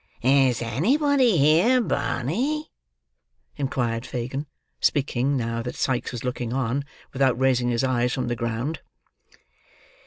"Is anybody here, Barney?" inquired Fagin; speaking, now that Sikes was looking on, without raising his eyes from the ground.